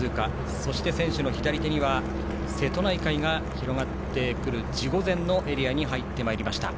そして、選手の左手には瀬戸内海が広がってくる地御前のエリアに入ってまいりました。